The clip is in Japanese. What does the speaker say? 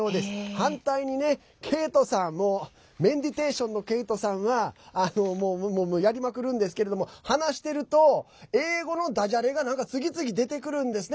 反対にね、ケイトさんメンディテーションのケイトさんはもう、やりまくるんですけれども話していると英語のだじゃれがなんか次々出てくるんですね。